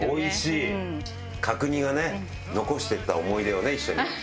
角煮がね残していった思い出をね一緒に。